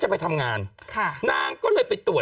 กล้องกว้างอย่างเดียว